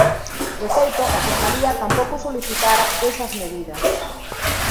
De feito, a Fiscalía tampouco solicitara esas medidas.